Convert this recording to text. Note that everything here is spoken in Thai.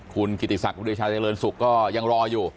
คุณกิติศักดิ์วิทยาลัยชาติกระเรินศุกร์ก็ยังรออยู่